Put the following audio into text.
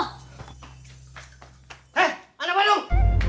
hei anak bandung